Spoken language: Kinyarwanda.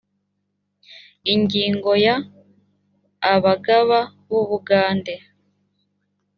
ingingo ya…: abagaba b’ubugande